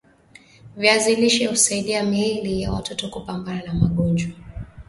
viazi lishe husaidia miili ya watoto kupambana na magojwa